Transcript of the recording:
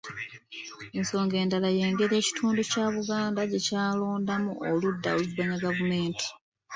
Ensonga endala, y'engeri ekitundu kya Buganda gye kyalondamu oludda oluvuganya Gavumenti